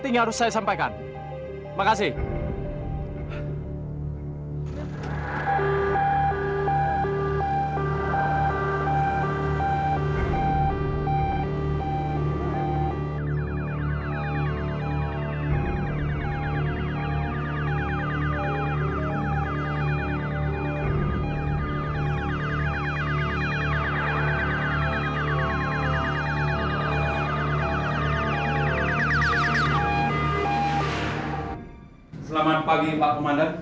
terima kasih pak